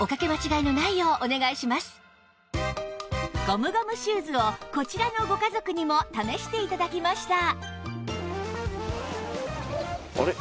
ゴムゴムシューズをこちらのご家族にも試して頂きました